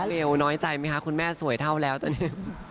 เบลน้อยใจไหมคะคุณแม่สวยเท่าแล้วตอนนี้